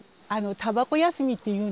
「たばこ休み」って言うの？